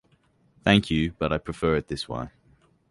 Thank you, but i prefer it this way.